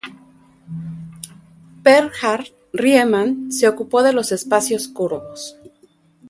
Bernhard Riemann se ocupó de los espacios curvos.